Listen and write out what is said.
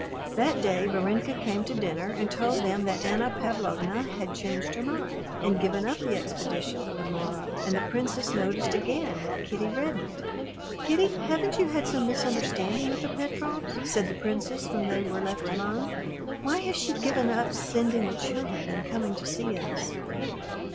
That day Varenka came to dinner and told them that Anna Pavlovna had changed her mind and given up the expedition for the morrow. And the princess noticed again that Kitty reddened. "Kitty, haven't you had some misunderstanding with the Petrovs?" said the princess, when they were left alone. "Why has she given up sending the children and coming to see us?"